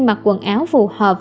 mặc quần áo phù hợp